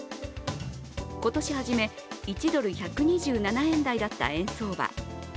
今年はじめ、１ドル＝１２７円台だった円相場。